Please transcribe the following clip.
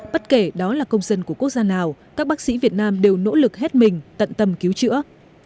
bất kể đó là công dân của quốc gia nào các bác sĩ việt nam đều nỗ lực hết mình tận tâm cứu chữa